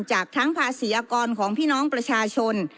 จากทั้งภาษีอากรของพี่น้องประชาชน